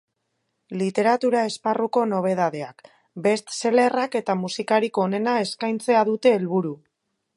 Literatura esparruko nobedadeak, best sellerak eta musikarik onena eskaintzea dute helburu.